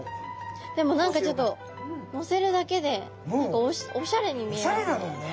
でも何かちょっとのせるだけでおしゃれに見えますね。